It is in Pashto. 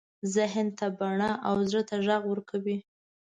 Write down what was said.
ذهن ته بڼه او زړه ته غږ ورکوي.